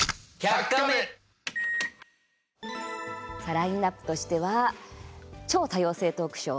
ラインナップとしては「超多様性トークショー！